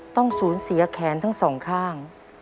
ต้องสูญเสียแขนทั้งสองข้าง